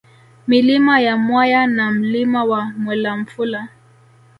Milima ya Mwaya na Mlima wa Mwelamfula